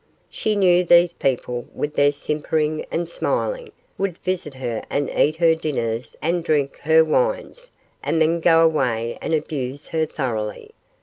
She knew these people, with their simpering and smiling, would visit her and eat her dinners and drink her wines, and then go away and abuse her thoroughly.